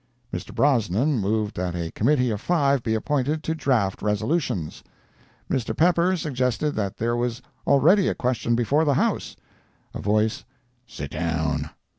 Mr. Brosnan moved that a committee of five be appointed to draft resolutions. Mr. Pepper suggested that there was already a question before the house. [A voice "Sit down."